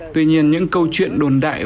tuy nhiên những câu chuyện đồn đại